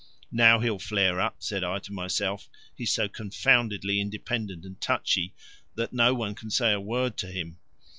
Now he'll flare up, said I to myself; he's so confoundedly independent and touchy no one can say a word to him.